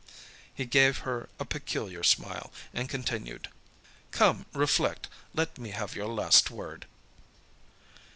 He gave her a peculiar smile, and continued: "Come, reflect, let me have your last word."